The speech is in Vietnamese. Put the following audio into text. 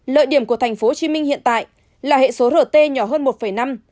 lợi điểm của tp hcm hiện tại là hệ số rt nhỏ hơn một năm